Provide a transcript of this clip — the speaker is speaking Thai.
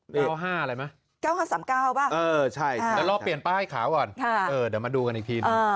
เดี๋ยวมาดูกันอีกพีช